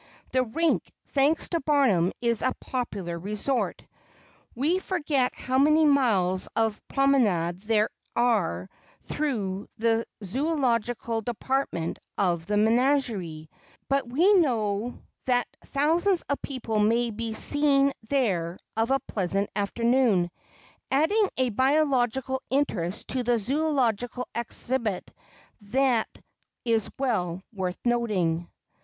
The Rink, thanks to Barnum, is a popular resort. We forget how many miles of promenade there are through the zoölogical department of the menagerie, but we know that thousands of people may be seen there of a pleasant afternoon, adding a biological interest to the zoölogical exhibit that is well worth noting.